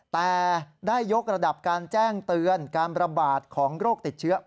แต่ได้ยกระดับการแจ้งเตือนการประบาดของโรคติดเชื้อ